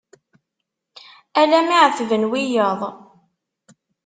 Ala mi εetben wiyaḍ.